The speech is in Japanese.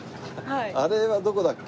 あれはどこだっけ？